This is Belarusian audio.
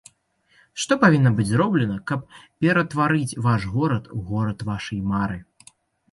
Што павінна быць зроблена, каб ператварыць ваш горад у горад вашай мары?